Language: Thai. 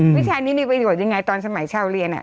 วิชานี้มีประโยชน์ยังไงตอนสมัยชาวเรียน